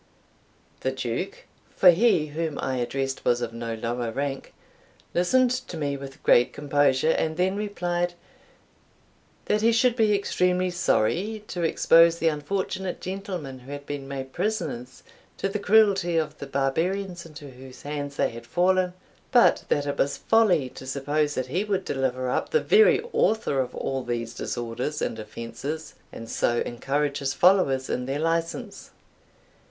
The Duke (for he whom I addressed was of no lower rank) listened to me with great composure, and then replied, that he should be extremely sorry to expose the unfortunate gentlemen who had been made prisoners to the cruelty of the barbarians into whose hands they had fallen, but that it was folly to suppose that he would deliver up the very author of all these disorders and offences, and so encourage his followers in their license.